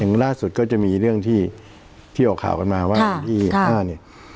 อย่างล่าสุดก็จะมีเรื่องที่ออกข่ากันมาว่าที่๕เนี่ย